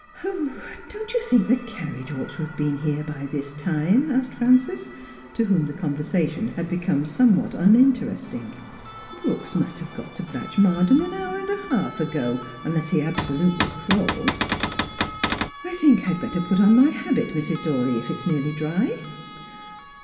' Don't you think the carriage ought to have been here by this time ?' asked Frances, to whom the conversation had become somewhat uninteresting, 'Brooks must have got to Blatch mardean an hour and a half ago, unless he absolutely crawled. I think I'd better put on my habit, Mrs. Dawley, if it's nearly dry.'